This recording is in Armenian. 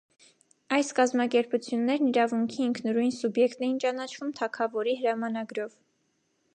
Այս կազմակերպություններն իրավունքի ինքնուրույն սուբյեկտ էին ճանաչվում թագավորի հրամանագրով։